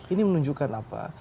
ini menunjukkan apa